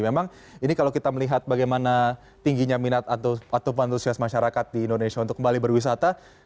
memang ini kalau kita melihat bagaimana tingginya minat atau pantusias masyarakat di indonesia untuk kembali berwisata